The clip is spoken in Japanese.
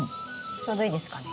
ちょうどいいですかね。